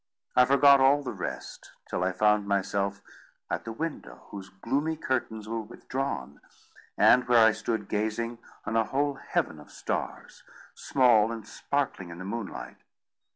I forgot all the rest, till I found myself at the window, whose gloomy curtains were withdrawn, and where I stood gazing on a whole heaven of stars, small and sparkling in the moonlight.